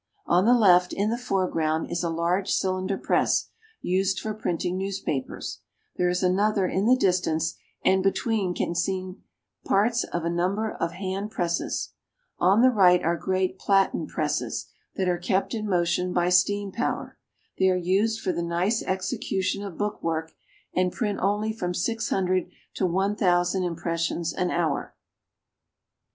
On the left, in the foreground, is a large cylinder press used for printing newspapers; there is another in the distance, and between can be seen parts of a number of hand presses. On the right are great "platen" presses, that are kept in motion by steam power. They are used for the nice execution of book work, and print only from six hundred to one thousand impressions an hour.